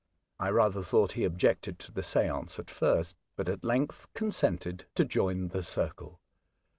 I rather thought he objected to the seance at first, but at length consented to join the circle.